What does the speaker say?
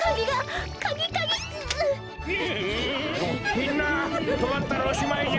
みんなとまったらおしまいじゃ！